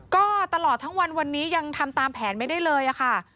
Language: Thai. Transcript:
ก็ตลอดทั้งวันวันนี้ยังทำตามแผนไม่ได้เลยค่ะ